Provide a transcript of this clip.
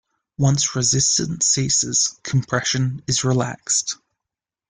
Once resistance ceases compression is relaxed.